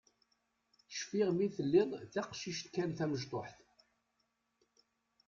Cfiɣ mi telliḍ d taqcict kan tamecṭuḥt.